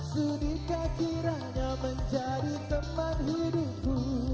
sudikah kiranya menjadi teman hidupku